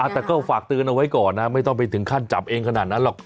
แต่ก็ฝากเตือนเอาไว้ก่อนนะไม่ต้องไปถึงขั้นจับเองขนาดนั้นหรอก